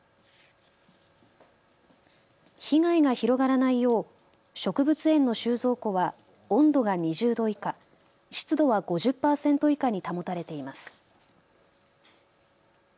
被害が広がらないよう植物園の収蔵庫は温度が２０度以下湿度は５０％以下に保たれています。